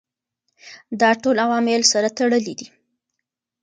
دا ټول عوامل سره تړلي دي.